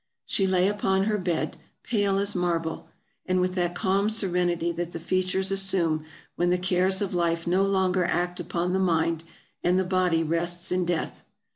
She lay upon her bed, pale as marble, and with that calm serenity that the features assume when the cares of life no longer act upon the mind, and the body rests in death.